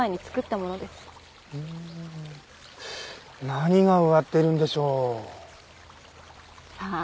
何が植わってるんでしょう？さあ？